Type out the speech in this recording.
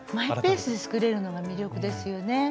マイペースで作れるのが魅力ですよね。